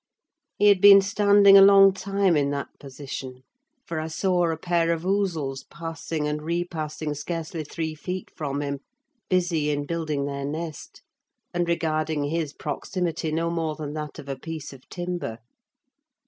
He had been standing a long time in that position, for I saw a pair of ousels passing and repassing scarcely three feet from him, busy in building their nest, and regarding his proximity no more than that of a piece of timber.